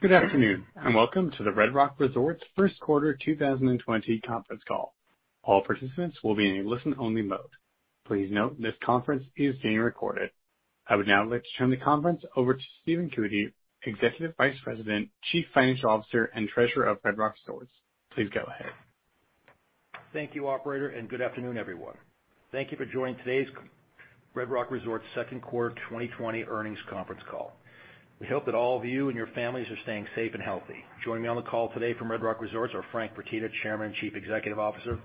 Good afternoon, and welcome to the Red Rock Resorts first quarter 2020 conference call. All participants will be in a listen-only mode. Please note this conference is being recorded. I would now like to turn the conference over to Stephen Cootey, Executive Vice President, Chief Financial Officer, and Treasurer of Red Rock Resorts. Please go ahead. Thank you, Operator, good afternoon, everyone. Thank you for joining today's Red Rock Resorts second quarter 2020 earnings conference call. We hope that all of you and your families are staying safe and healthy. Joining me on the call today from Red Rock Resorts are Frank Fertitta, Chairman, Chief Executive Officer,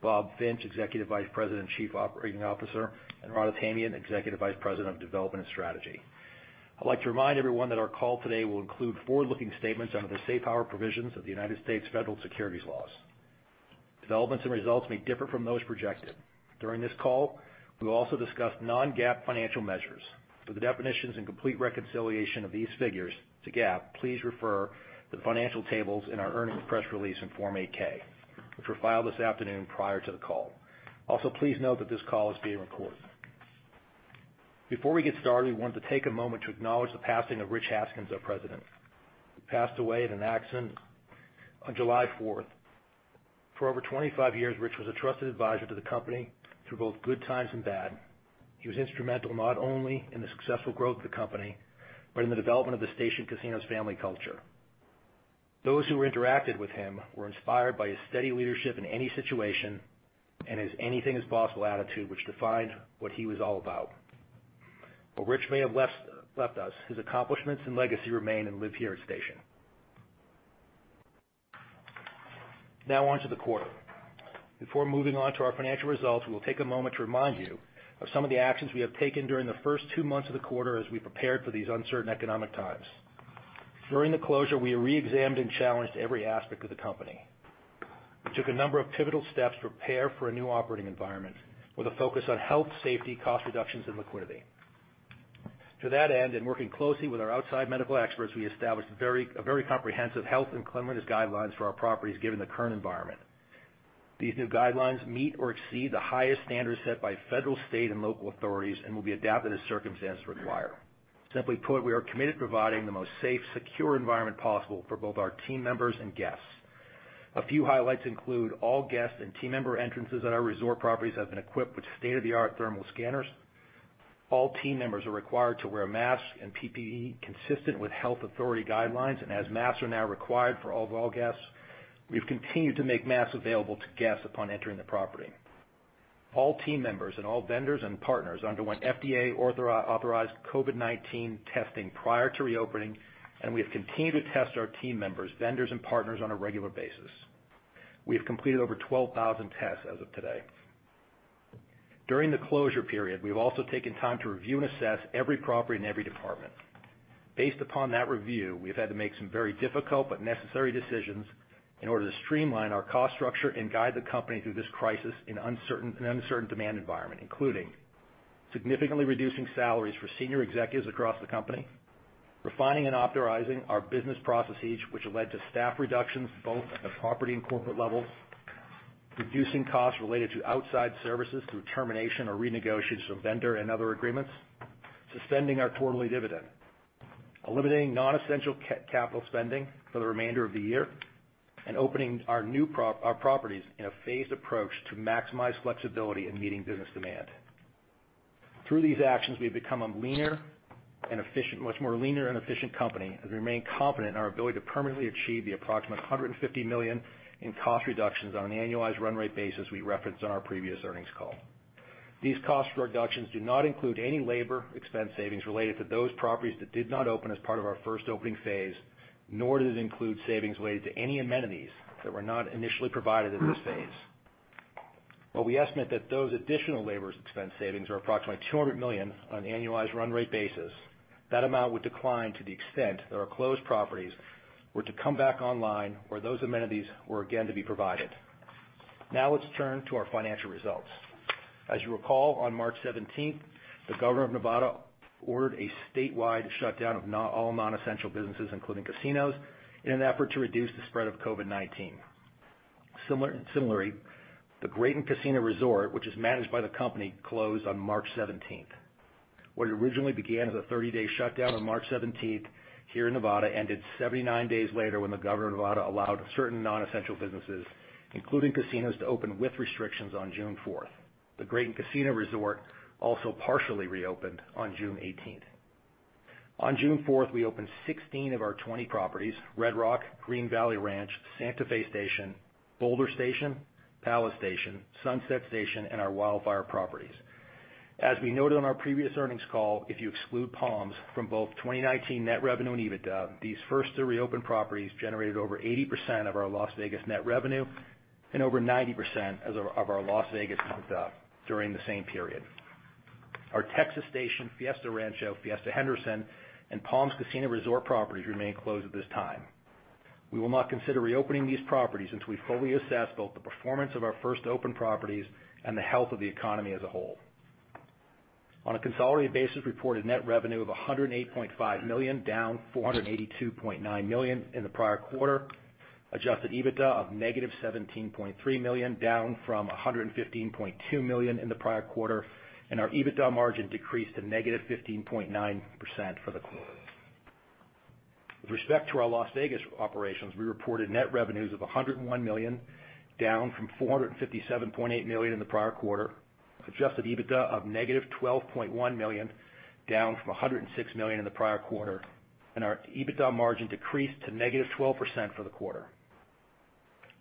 Bob Finch, Executive Vice President, Chief Operating Officer, and Rod Tamian, Executive Vice President of Development and Strategy. I'd like to remind everyone that our call today will include forward-looking statements under the safe harbor provisions of the U.S. federal securities laws. Developments and results may differ from those projected. During this call, we will also discuss non-GAAP financial measures. For the definitions and complete reconciliation of these figures to GAAP, please refer the financial tables in our earnings press release in Form 8-K, which were filed this afternoon prior to the call. Please note that this call is being recorded. Before we get started, we wanted to take a moment to acknowledge the passing of Rich Haskins, our president, who passed away in an accident on July 4th. For over 25 years, Rich was a trusted advisor to the company through both good times and bad. He was instrumental not only in the successful growth of the company, but in the development of the Station Casinos family culture. Those who interacted with him were inspired by his steady leadership in any situation and his anything is possible attitude which defined what he was all about. Rich may have left us, his accomplishments and legacy remain and live here at Station. Onto the quarter. Before moving on to our financial results, we will take a moment to remind you of some of the actions we have taken during the first two months of the quarter as we prepared for these uncertain economic times. During the closure, we re-examined and challenged every aspect of the company and took a number of pivotal steps to prepare for a new operating environment with a focus on health, safety, cost reductions, and liquidity. To that end, in working closely with our outside medical experts, we established a very comprehensive health and cleanliness guidelines for our properties, given the current environment. These new guidelines meet or exceed the highest standards set by federal, state, and local authorities and will be adapted as circumstances require. Simply put, we are committed to providing the most safe, secure environment possible for both our team members and guests. A few highlights include all guests and team member entrances at our resort properties have been equipped with state-of-the-art thermal scanners. All team members are required to wear a mask and PPE consistent with health authority guidelines. As masks are now required for all guests, we've continued to make masks available to guests upon entering the property. All team members and all vendors and partners underwent FDA-authorized COVID-19 testing prior to reopening, and we have continued to test our team members, vendors, and partners on a regular basis. We have completed over 12,000 tests as of today. During the closure period, we've also taken time to review and assess every property and every department. Based upon that review, we've had to make some very difficult but necessary decisions in order to streamline our cost structure and guide the company through this crisis in an uncertain demand environment, including significantly reducing salaries for senior executives across the company, refining and authorizing our business processes, which have led to staff reductions both at the property and corporate levels, reducing costs related to outside services through termination or renegotiation of vendor and other agreements, suspending our quarterly dividend, eliminating non-essential CapEx for the remainder of the year, and opening our properties in a phased approach to maximize flexibility in meeting business demand. Through these actions, we've become a much more leaner and efficient company, as we remain confident in our ability to permanently achieve the approximate $150 million in cost reductions on an annualized run rate basis we referenced on our previous earnings call. These cost reductions do not include any labor expense savings related to those properties that did not opened as part of our first opening phase, nor does it include savings related to any amenities that were not initially provided in this phase. While we estimate that those additional labor expense savings are approximately $200 million on an annualized run rate basis, that amount would decline to the extent that our closed properties were to come back online where those amenities were again to be provided. Let's turn to our financial results. As you recall, on March 17th, the governor of Nevada ordered a statewide shutdown of all non-essential businesses, including casinos, in an effort to reduce the spread of COVID-19. The Graton Resort & Casino, which is managed by the company, closed on March 17th. What originally began as a 30-day shutdown on March 17th here in Nevada ended 79 days later when the governor of Nevada allowed certain non-essential businesses, including casinos, to open with restrictions on June 4th. The Graton Resort & Casino also partially reopened on June 18th. On June 4th, we opened 16 of our 20 properties, Red Rock, Green Valley Ranch, Santa Fe Station, Boulder Station, Palace Station, Sunset Station, and our Wildfire properties. As we noted on our previous earnings call, if you exclude Palms from both 2019 net revenue and EBITDA, these first three reopen properties generated over 80% of our Las Vegas net revenue and over 90% of our Las Vegas EBITDA during the same period. Our Texas Station, Fiesta Rancho, Fiesta Henderson, and Palms Casino Resort properties remain closed at this time. We will not consider reopening these properties until we fully assess both the performance of our first open properties and the health of the economy as a whole. On a consolidated basis, reported net revenue of $108.5 million, down $482.9 million in the prior quarter. Adjusted EBITDA of negative $17.3 million, down from $115.2 million in the prior quarter. Our EBITDA margin decreased to negative 15.9% for the quarter. With respect to our Las Vegas operations, we reported net revenues of $101 million, down from $457.8 million in the prior quarter. Adjusted EBITDA of negative $12.1 million, down from $106 million in the prior quarter. Our EBITDA margin decreased to negative 12% for the quarter.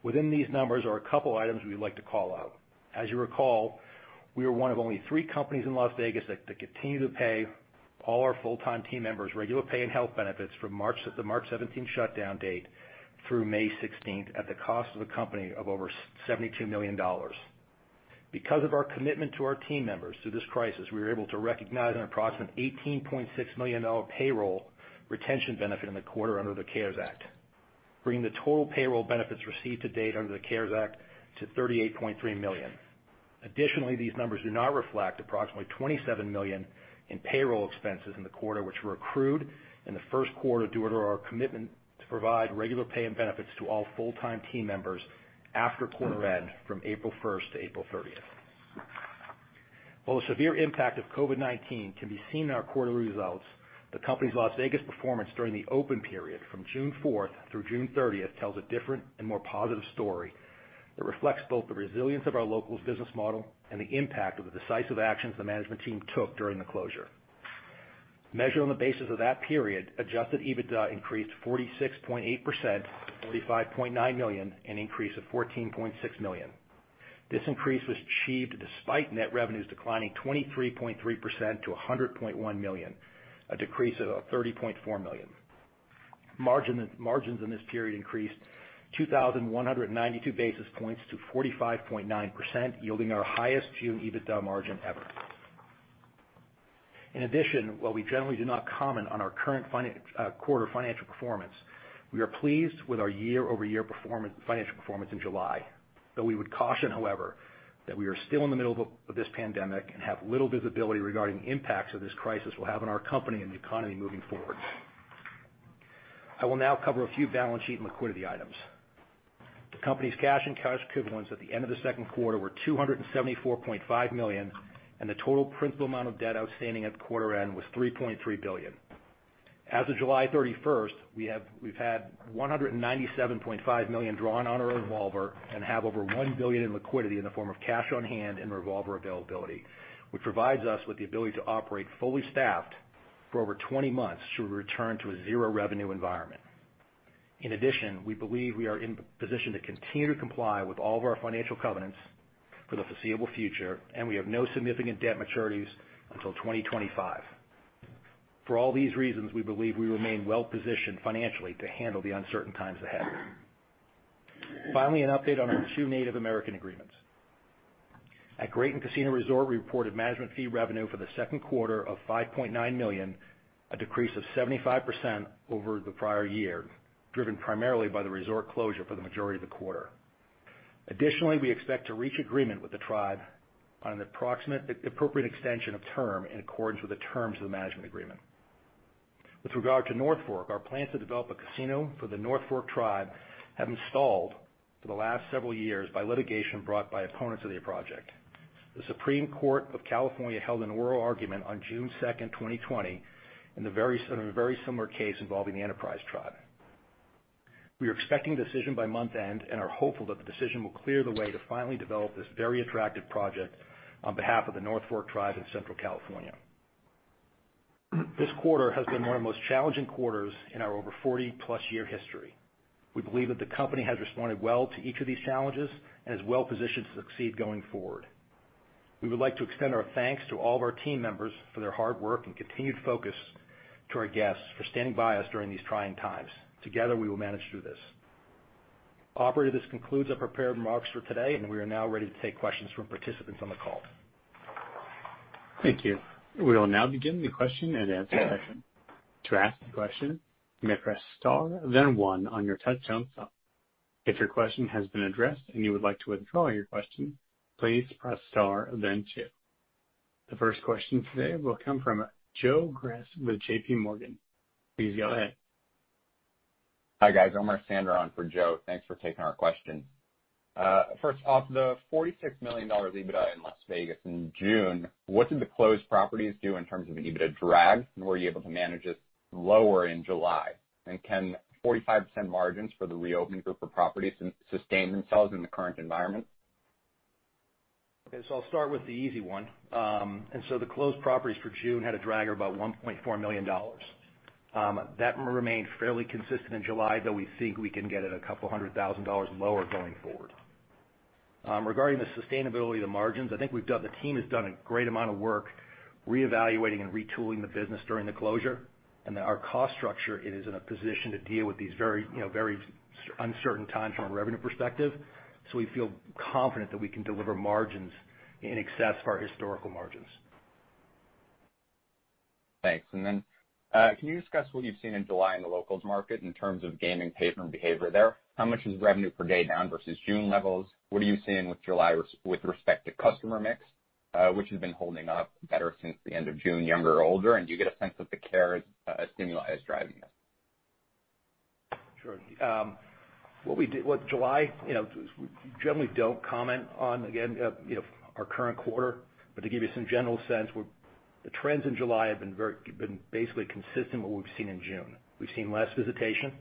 Within these numbers are a couple items we'd like to call out. As you recall, we are one of only three companies in Las Vegas that continue to pay all our full-time team members regular pay and health benefits from the March 17th shutdown date through May 16th at the cost of the company of over $72 million. Because of our commitment to our team members through this crisis, we were able to recognize an approximate $18.6 million payroll retention benefit in the quarter under the CARES Act, bringing the total payroll benefits received to date under the CARES Act to $38.3 million. Additionally, these numbers do not reflect approximately $27 million in payroll expenses in the quarter, which were accrued in the first quarter due to our commitment to provide regular pay and benefits to all full-time team members after quarter end from April 1st to April 30th. While the severe impact of COVID-19 can be seen in our quarterly results, the company's Las Vegas performance during the open period from June 4th through June 30th, 2020 tells a different and more positive story that reflects both the resilience of our locals business model and the impact of the decisive actions the management team took during the closure. Measured on the basis of that period, adjusted EBITDA increased 46.8%, to $35.9 million, an increase of $14.6 million. This increase was achieved despite net revenues declining 23.3% to $100.1 million, a decrease of $30.4 million. Margins in this period increased 2,192 basis points to 45.9%, yielding our highest June EBITDA margin ever. In addition, while we generally do not comment on our current quarter financial performance, we are pleased with our year-over-year financial performance in July. We would caution, however, that we are still in the middle of this pandemic and have little visibility regarding the impacts of this crisis will have on our company and the economy moving forward. I will now cover a few balance sheet and liquidity items. The company's cash and cash equivalents at the end of the second quarter were $274.5 million, and the total principal amount of debt outstanding at the quarter end was $3.3 billion. As of July 31st, 2020 we've had $197.5 million drawn on our revolver and have over $1 billion in liquidity in the form of cash on hand and revolver availability, which provides us with the ability to operate fully staffed for over 20 months should we return to a zero revenue environment. We believe we are in position to continue to comply with all of our financial covenants for the foreseeable future, and we have no significant debt maturities until 2025. For all these reasons, we believe we remain well positioned financially to handle the uncertain times ahead. An update on our two Native American agreements. At Graton Resort & Casino, we reported management fee revenue for the second quarter of $5.9 million, a decrease of 75% over the prior year, driven primarily by the resort closure for the majority of the quarter. We expect to reach agreement with the tribe on an appropriate extension of term in accordance with the terms of the management agreement. With regard to North Fork, our plans to develop a casino for the North Fork tribe have been stalled for the last several years by litigation brought by opponents of the project. The Supreme Court of California held an oral argument on June 2nd, 2020, in a very similar case involving the Enterprise tribe. We are expecting a decision by month-end and are hopeful that the decision will clear the way to finally develop this very attractive project on behalf of the North Fork tribe in Central California. This quarter has been one of the most challenging quarters in our over 40-plus year history. We believe that the company has responded well to each of these challenges and is well positioned to succeed going forward. We would like to extend our thanks to all of our team members for their hard work and continued focus to our guests for standing by us during these trying times. Together, we will manage through this. Operator, this concludes the prepared remarks for today, and we are now ready to take questions from participants on the call. Thank you. We will now begin the question and answer session. To ask a question, you may press star then one on your touch-tone phone. If your question has been addressed and you would like to withdraw your question, please press star then two. The first question today will come from Joe Greff with J.P. Morgan. Please go ahead. Hi, guys. Omer Sander on for Joe Greff. Thanks for taking our question. First off, the $46 million EBITDA in Las Vegas in June, what did the closed properties do in terms of an EBITDA drag? Were you able to manage this lower in July? Can 45% margins for the reopened group of properties sustain themselves in the current environment? Okay, I'll start with the easy one. The closed properties for June had a drag of about $1.4 million. That remained fairly consistent in July, though we think we can get it a couple hundred thousand dollars lower going forward. Regarding the sustainability of the margins, I think the team has done a great amount of work reevaluating and retooling the business during the closure, and our cost structure is in a position to deal with these very uncertain times from a revenue perspective. We feel confident that we can deliver margins in excess of our historical margins. Thanks. Can you discuss what you've seen in July in the locals market in terms of gaming patron behavior there? How much is revenue per day down versus June levels? What are you seeing with July with respect to customer mix? Which has been holding up better since the end of June, younger or older? Do you get a sense that the CARES stimuli is driving this? Sure. We generally don't comment on, again, our current quarter. To give you some general sense, the trends in July have been basically consistent with what we've seen in June. We've seen less visitation.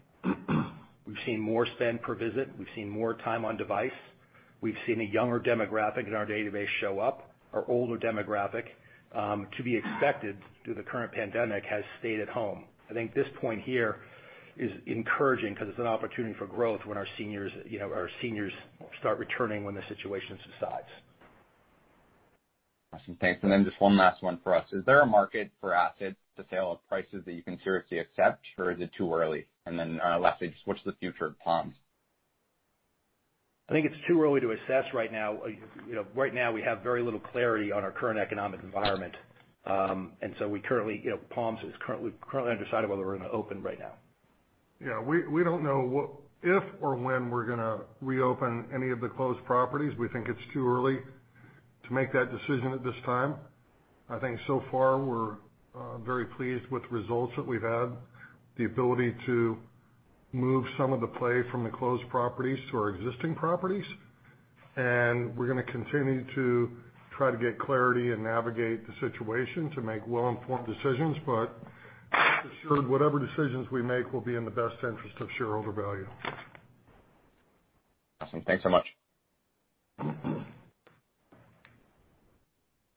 We've seen more spend per visit. We've seen more time on device. We've seen a younger demographic in our database show up. Our older demographic, to be expected due to the current pandemic, has stayed at home. I think this point here is encouraging because it's an opportunity for growth when our seniors start returning when the situation subsides. Awesome. Thanks. Just one last one for us. Is there a market for assets to sell at prices that you can seriously accept, or is it too early? Lastly, just what's the future of Palms? I think it's too early to assess right now. Right now, we have very little clarity on our current economic environment. Palms is currently undecided whether we're going to open right now. Yeah, we don't know if or when we're going to reopen any of the closed properties. We think it's too early to make that decision at this time. I think so far we're very pleased with the results that we've had, the ability to move some of the play from the closed properties to our existing properties. We're going to continue to try to get clarity and navigate the situation to make well-informed decisions. Assured, whatever decisions we make will be in the best interest of shareholder value. Awesome. Thanks so much. All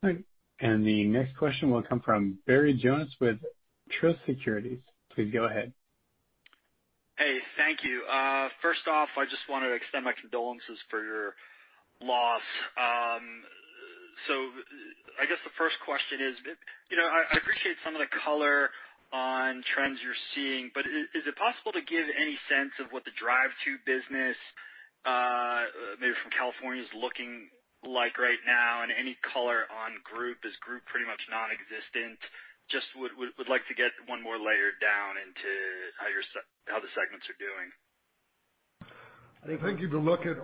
right. The next question will come from Barry Jonas with Truist Securities. Please go ahead. Hey, thank you. First off, I just want to extend my condolences for your loss. I guess the first question is, I appreciate some of the color on trends you're seeing, but is it possible to give any sense of what the drive-to business, maybe from California, is looking like right now, and any color on group? Is group pretty much nonexistent? Just would like to get one more layer down into how the segments are doing. I think if you look at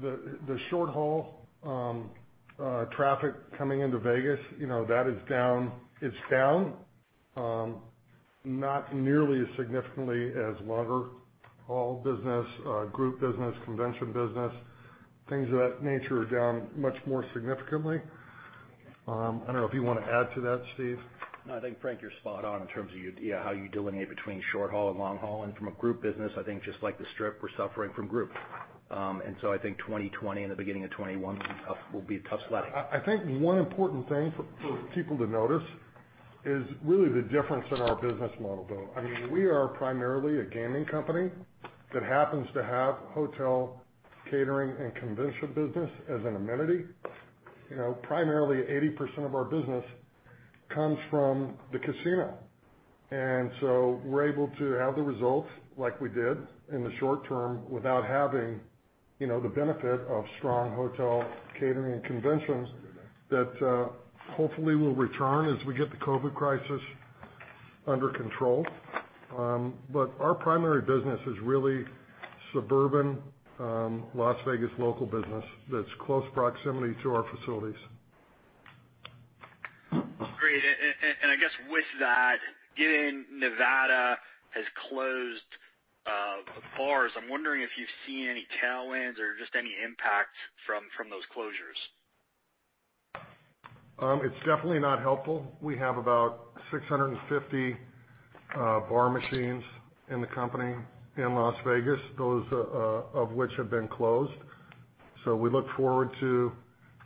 the short-haul traffic coming into Vegas, that it's down not nearly as significantly as longer-haul business, group business, convention business. Things of that nature are down much more significantly. I don't know if you want to add to that, Steve. No, I think, Frank, you're spot on in terms of how you delineate between short haul and long haul. From a group business, I think just like the Strip, we're suffering from group. I think 2020 and the beginning of 2021 will be a tough sledding. I think one important thing for people to notice is really the difference in our business model, though. We are primarily a gaming company that happens to have hotel, catering, and convention business as an amenity. Primarily, 80% of our business comes from the casino. So we're able to have the results like we did in the short term without having the benefit of strong hotel, catering, and conventions that hopefully will return as we get the COVID crisis under control. Our primary business is really suburban Las Vegas local business that's close proximity to our facilities. Great. I guess with that, given Nevada has closed bars, I'm wondering if you've seen any tailwinds or just any impact from those closures? It's definitely not helpful. We have about 650 bar machines in the company in Las Vegas, those of which have been closed. We look forward to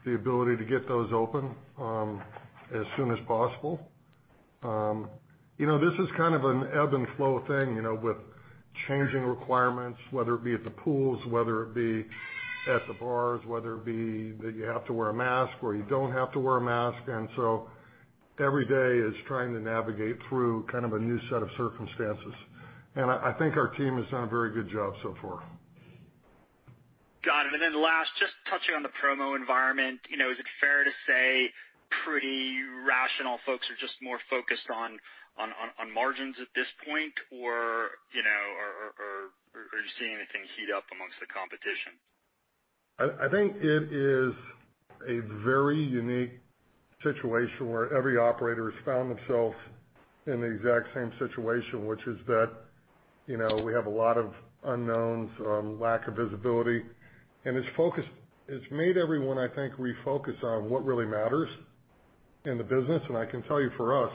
the ability to get those open as soon as possible. This is kind of an ebb-and-flow thing, with changing requirements, whether it be at the pools, whether it be at the bars, whether it be that you have to wear a mask or you don't have to wear a mask. Every day is trying to navigate through kind of a new set of circumstances. I think our team has done a very good job so far. Got it. Last, just touching on the promo environment. Is it fair to say pretty rational folks are just more focused on margins at this point, or are you seeing anything heat up amongst the competition? I think it is a very unique situation where every operator has found themselves in the exact same situation, which is that we have a lot of unknowns, lack of visibility. It's made everyone, I think, refocus on what really matters in the business. I can tell you for us,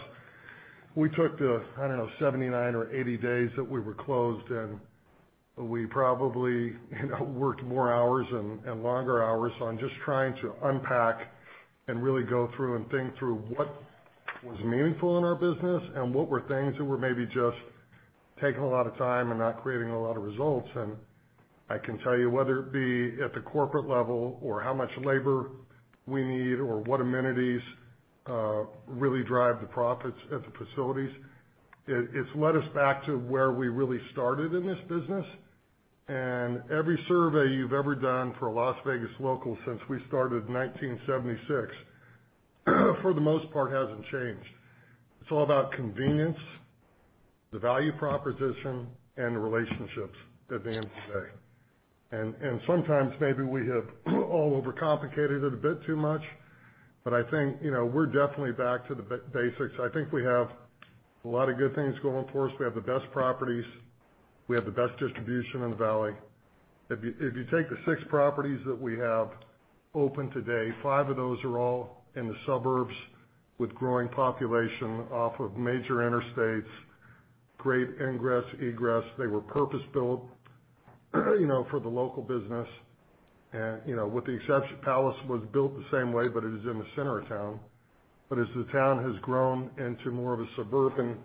we took the, I don't know, 79 or 80 days that we were closed, and we probably worked more hours and longer hours on just trying to unpack and really go through and think through what was meaningful in our business and what were things that were maybe just taking a lot of time and not creating a lot of results. I can tell you, whether it be at the corporate level or how much labor we need or what amenities really drive the profits at the facilities, it's led us back to where we really started in this business. Every survey you've ever done for Las Vegas locals since we started in 1976, for the most part, hasn't changed. It's all about convenience. The Value Proposition and the relationships at the end of the day. Sometimes maybe we have all overcomplicated it a bit too much, but I think we're definitely back to the basics. I think we have a lot of good things going for us. We have the best properties. We have the best distribution in the Valley. If you take the six properties that we have open today, five of those are all in the suburbs with growing population off of major interstates, great ingress, egress. They were purpose-built for the local business. With the exception, Palace was built the same way, but it is in the center of town. As the town has grown into more of a suburban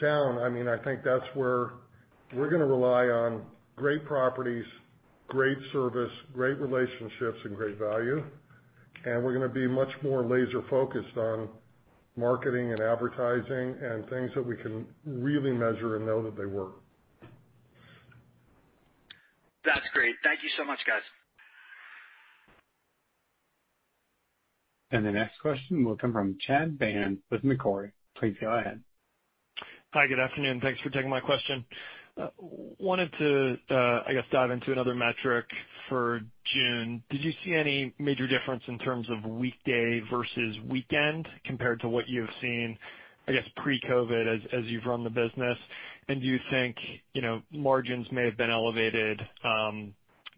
town, I think that's where we're going to rely on great properties, great service, great relationships, and great value. We're going to be much more laser-focused on marketing and advertising and things that we can really measure and know that they work. That's great. Thank you so much, guys. The next question will come from Chad Beynon with Macquarie. Please go ahead. Hi, good afternoon. Thanks for taking my question. Wanted to, I guess, dive into another metric for June. Did you see any major difference in terms of weekday versus weekend compared to what you have seen, I guess, pre-COVID as you've run the business? Do you think margins may have been elevated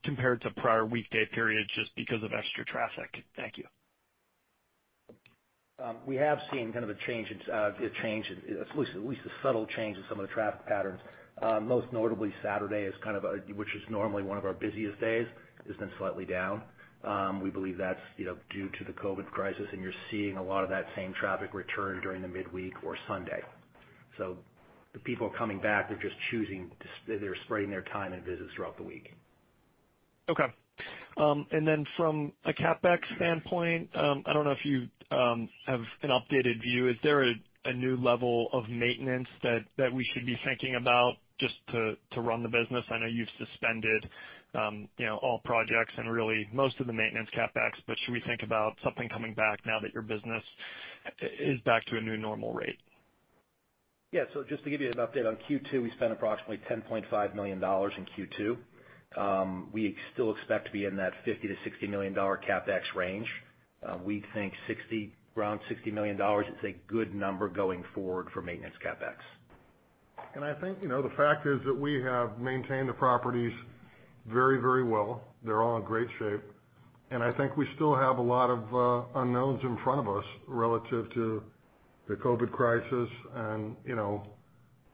compared to prior weekday periods just because of extra traffic? Thank you. We have seen kind of at least a subtle change in some of the traffic patterns. Most notably Saturday, which is normally one of our busiest days, has been slightly down. We believe that's due to the COVID crisis, and you're seeing a lot of that same traffic return during the midweek or Sunday. The people are coming back. They're spreading their time and visits throughout the week. Okay. From a CapEx standpoint, I don't know if you have an updated view. Is there a new level of maintenance that we should be thinking about just to run the business? I know you've suspended all projects and really most of the maintenance CapEx, but should we think about something coming back now that your business is back to a new normal rate? Yeah. Just to give you an update on Q2, we spent approximately $10.5 million in Q2. We still expect to be in that $50 million-$60 million CapEx range. We think around $60 million is a good number going forward for maintenance CapEx. I think the fact is that we have maintained the properties very well. They're all in great shape. I think we still have a lot of unknowns in front of us relative to the COVID crisis and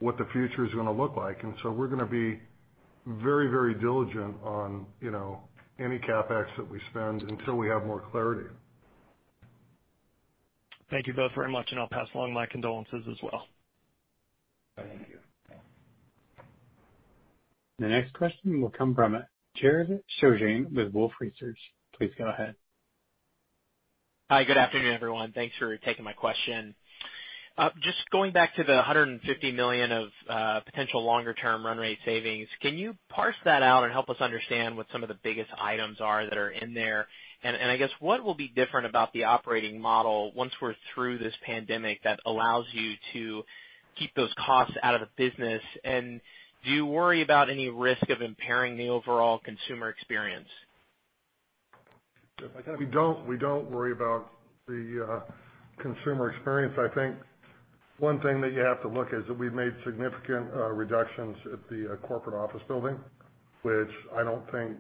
what the future's going to look like. So we're going to be very diligent on any CapEx that we spend until we have more clarity. Thank you both very much, and I'll pass along my condolences as well. Thank you. The next question will come from Jared Shojaian with Wolfe Research. Please go ahead. Hi, good afternoon, everyone. Thanks for taking my question. Just going back to the $150 million of potential longer-term run rate savings, can you parse that out and help us understand what some of the biggest items are that are in there? I guess, what will be different about the operating model once we're through this pandemic that allows you to keep those costs out of the business? Do you worry about any risk of impairing the overall consumer experience? We don't worry about the consumer experience. I think one thing that you have to look is that we've made significant reductions at the corporate office building, which I don't think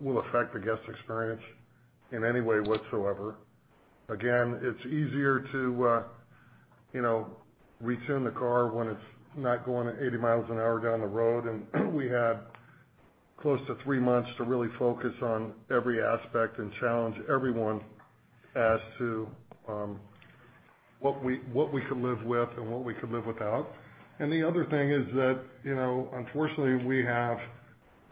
will affect the guest experience in any way whatsoever. It's easier to retune the car when it's not going at 80 miles an hour down the road, and we had close to three months to really focus on every aspect and challenge everyone as to what we could live with and what we could live without. The other thing is that unfortunately, we have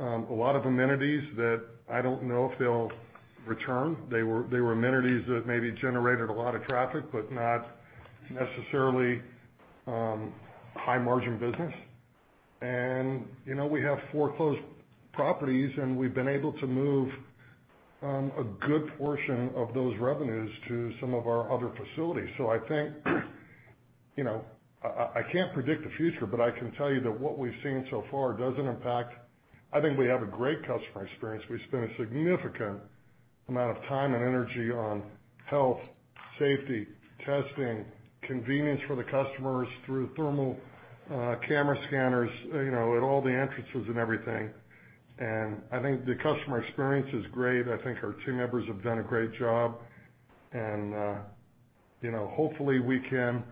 a lot of amenities that I don't know if they'll return. They were amenities that maybe generated a lot of traffic, but not necessarily high margin business. We have foreclosed properties, and we've been able to move a good portion of those revenues to some of our other facilities. I can't predict the future, but I can tell you that what we've seen so far doesn't impact. I think we have a great customer experience. We spent a significant amount of time and energy on health, safety, testing, convenience for the customers through thermal camera scanners at all the entrances and everything. I think the customer experience is great. I think our team members have done a great job, and hopefully, we can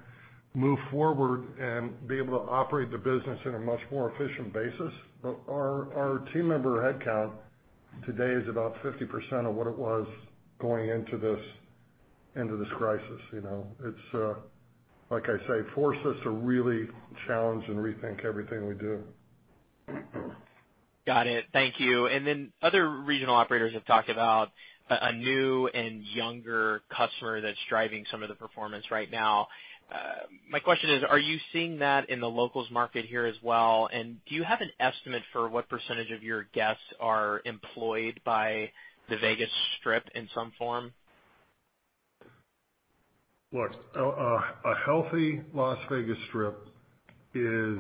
move forward and be able to operate the business in a much more efficient basis. Our team member headcount today is about 50% of what it was going into this crisis. It's, like I say, forced us to really challenge and rethink everything we do. Got it. Thank you. Other regional operators have talked about a new and younger customer that's driving some of the performance right now. My question is, are you seeing that in the locals market here as well? Do you have an estimate for what % of your guests are employed by the Vegas Strip in some form? Look, a healthy Las Vegas Strip is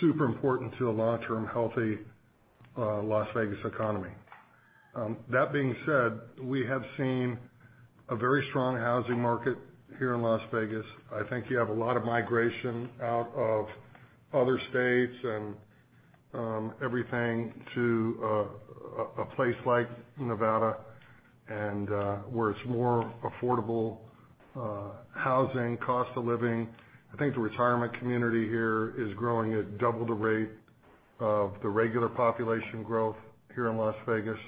super important to a long-term healthy Las Vegas economy. That being said, we have seen a very strong housing market here in Las Vegas. I think you have a lot of migration out of other states and everything to a place like Nevada, where it's more affordable housing, cost of living. I think the retirement community here is growing at double the rate of the regular population growth here in Las Vegas.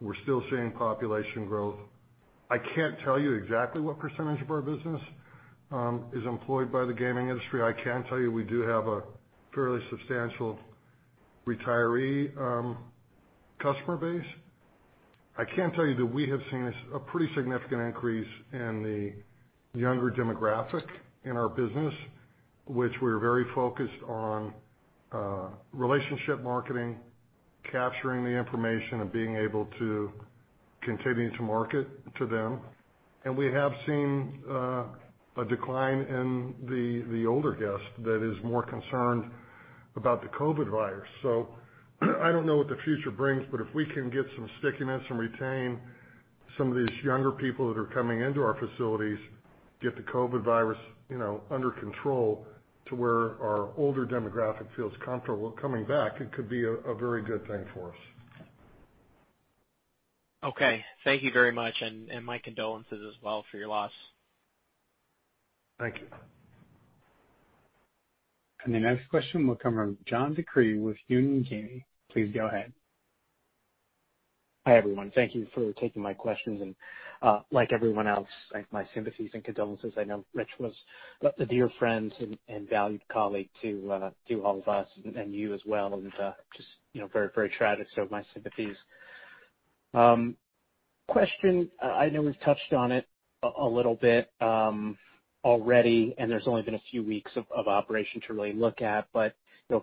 We're still seeing population growth. I can't tell you exactly what % of our business is employed by the gaming industry. I can tell you we do have a fairly substantial retiree customer base. I can tell you that we have seen a pretty significant increase in the younger demographic in our business, which we're very focused on relationship marketing, capturing the information, and being able to continue to market to them. We have seen a decline in the older guest that is more concerned about the COVID virus. I don't know what the future brings, but if we can get some stickiness and retain some of these younger people that are coming into our facilities, get the COVID virus under control to where our older demographic feels comfortable coming back, it could be a very good thing for us. Okay. Thank you very much, and my condolences as well for your loss. Thank you. The next question will come from John DeCree with Union Gaming. Please go ahead. Hi, everyone. Thank you for taking my questions. Like everyone else, my sympathies and condolences. I know Rich was a dear friend and valued colleague to all of us and you as well, and just very tragic, so my sympathies. Question, I know we've touched on it a little bit already, and there's only been a few weeks of operation to really look at, but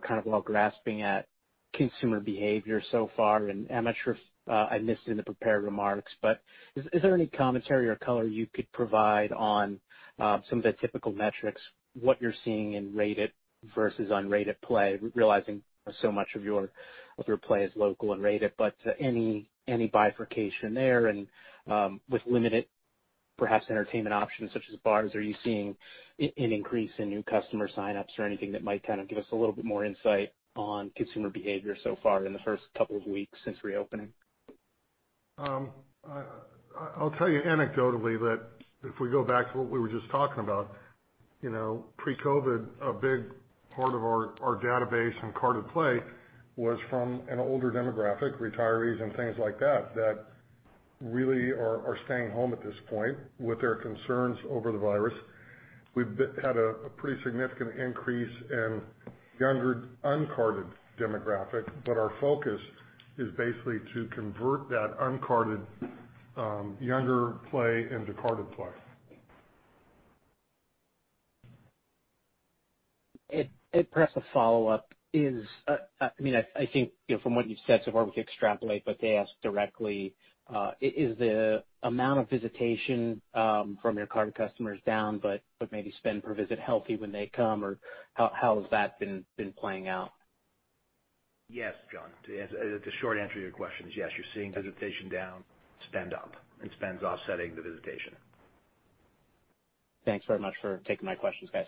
kind of while grasping at consumer behavior so far, and I'm not sure if I missed it in the prepared remarks, but is there any commentary or color you could provide on some of the typical metrics, what you're seeing in rated versus unrated play, realizing so much of your play is local and rated, but any bifurcation there? With limited perhaps entertainment options such as bars, are you seeing an increase in new customer sign-ups or anything that might kind of give us a little bit more insight on consumer behavior so far in the first couple of weeks since reopening? I'll tell you anecdotally that if we go back to what we were just talking about, pre-COVID, a big part of our database and carded play was from an older demographic, retirees and things like that really are staying home at this point with their concerns over the virus. We've had a pretty significant increase in younger uncarded demographic, but our focus is basically to convert that uncarded younger play into carded play. Perhaps a follow-up is, I think from what you've said so far, we could extrapolate, but to ask directly, is the amount of visitation from your carded customers down but maybe spend per visit healthy when they come, or how has that been playing out? Yes, John, the short answer to your question is yes. You're seeing visitation down, spend up, and spend's offsetting the visitation. Thanks very much for taking my questions, guys.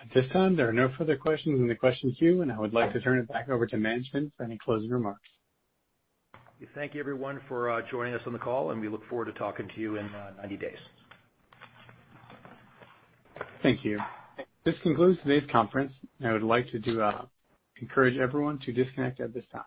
At this time, there are no further questions in the questions queue, and I would like to turn it back over to management for any closing remarks. Thank you, everyone, for joining us on the call, and we look forward to talking to you in 90 days. Thank you. This concludes today's conference, and I would like to encourage everyone to disconnect at this time.